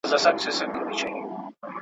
چي پاچا ته خبر راغی تر درباره.